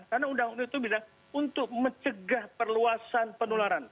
karena undang undang itu bisa untuk mencegah perluasan penularan